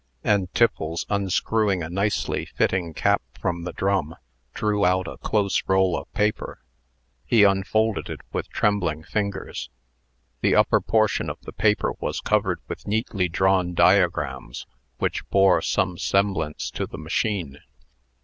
And Tiffles, unscrewing a nicely fitting cap from the drum, drew out a close roll of paper. He unfolded it with trembling fingers. The upper portion of the paper was covered with neatly drawn diagrams, which bore some semblance to the machine.